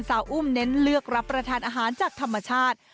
อุ้มเน้นเลือกรับประทานอาหารจากธรรมชาติ